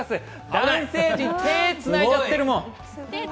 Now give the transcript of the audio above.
男性陣手をつないじゃってるもん！